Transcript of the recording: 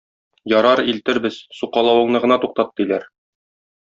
Ярар, илтербез, сукалавыңны гына туктат, - диләр.